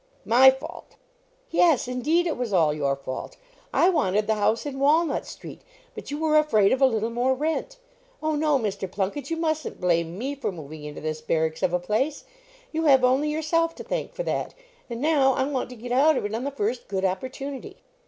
"My fault?" "Yes, indeed, it was all your fault. I wanted the house in Walnut street, but you were afraid of a little more rent. Oh, no, Mr. Plunket, you mustn't blame me for moving into this barracks of a place; you have only yourself to thank for that; and now I want to get out of it on the first good opportunity."